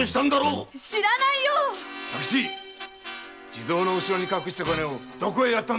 地蔵のうしろに隠した金をどこへやった！